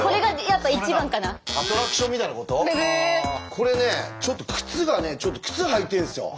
これねちょっと靴がねちょっと靴履いてるんですよ。